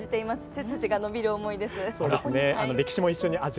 背筋が伸びる思いです。